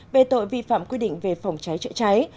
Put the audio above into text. về tội vi phạm quy định về phòng cháy chữa cháy